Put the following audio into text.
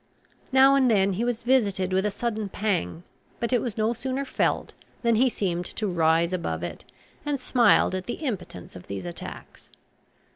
Now and then he was visited with a sudden pang; but it was no sooner felt, than he seemed to rise above it, and smiled at the impotence of these attacks.